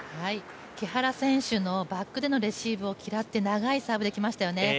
木原選手のバックでのレシーブを嫌って長いサーブで来ましたよね。